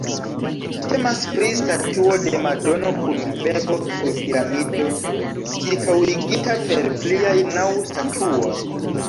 Temas pri statuo de Madono kun bebo sur piramido, ĉirkaŭigita per pliaj naŭ statuoj.